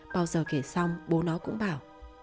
bao giờ kể xong bố nó cũng bảo